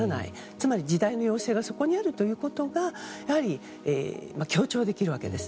つまり時代の要請がそこにあるということが強調できるわけです。